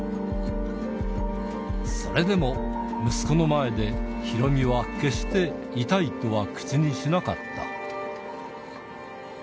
それでも、息子の前でヒロミは決して痛いとは口にしなかった。